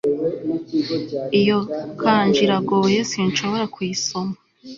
Iyo kanji iragoye sinshobora kuyisoma